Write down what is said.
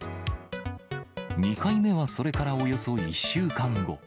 ２回目は、それからおよそ１週間後。